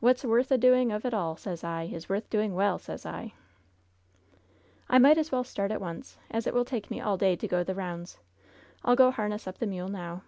What's worth a doing of at all, sez I, is worth doing well, sez 1 1" ^'I might as well start at once, as it will take me all day to go the rounds. I'll go harness up the mule now."